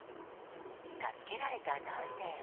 助けられた男性は。